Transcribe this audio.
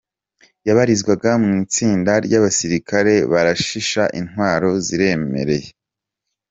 Yabarizwaga mu itsinda ry’abasirikare barashisha intwaro ziremereye.